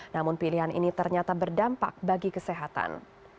namun pilihan ini ternyata berdampak bagi kesehatan